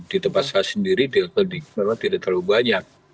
di tempat saya sendiri di dekorat penyidikan karena tidak terlalu banyak